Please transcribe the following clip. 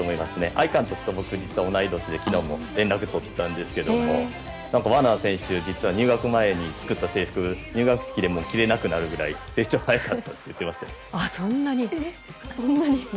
相監督と僕は同い年で昨日も連絡を取ったんですけどワーナー選手、実は入学前に作った制服が入学式で着れなくなるぐらい成長が早かったと言っていましたよ。